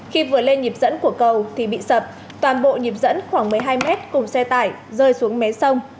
khi vừa lên nhịp dẫn của cầu thì bị sập toàn bộ nhịp dẫn khoảng một mươi hai mét cùng xe tải rơi xuống mé sông